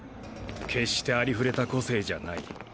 決してありふれた個性じゃない。